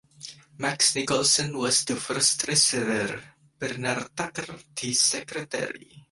Max Nicholson was the first treasurer, Bernard Tucker the secretary.